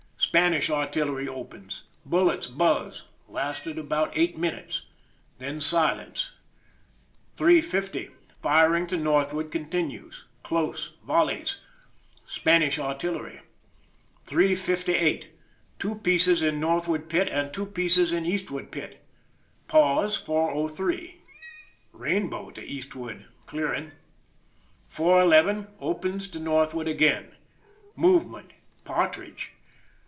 Span ish artillery opens. Bullets buzz— lasted about 8 minutes. Then silence. 3:50, firing to northward continues. Close— volleys. Spanish artillery. 3:58, 2 pieces in northward pit and 2 pieces in eastward pit. Pause, 4 : 03. Rainbow to eastward— clearing. 4:11, opens to north ward again. Movement. Partridge.